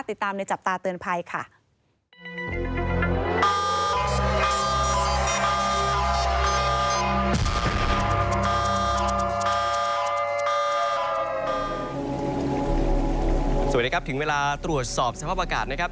สวัสดีครับถึงเวลาตรวจสอบสภาพอากาศนะครับ